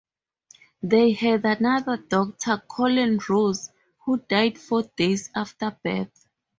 They had another daughter Colleen Rose, who died four days after birth.